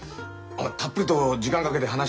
たっぷりと時間かけて話し合ったんですが。